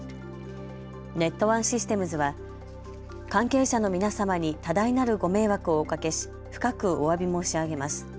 ネットワンシステムズは関係者の皆様に多大なるご迷惑をおかけし深くおわび申し上げます。